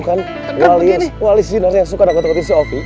kamu kan wali sinar yang suka nakut nakutin si ovi